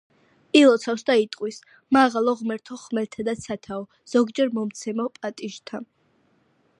ილოცავს, იტყვის: "მაღალო ღმერთო ხმელთა და ცათაო, ზოგჯერ მომცემო პატიჟთა,